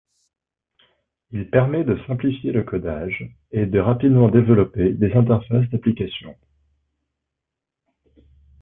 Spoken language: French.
Il permet de simplifier le codage et de rapidement développer des interfaces d'applications.